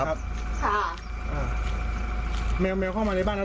แมวเข้ามาในบ้านเราทำอะไรบ้างครับ